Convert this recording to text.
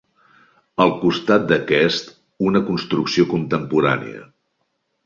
Al costat d'aquest una construcció contemporània.